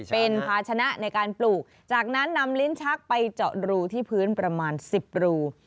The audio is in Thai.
เป็นภาชนะในการปลูกจากนั้นนำลิ้นชักไปเจาะรูที่พื้นประมาณ๑๐รู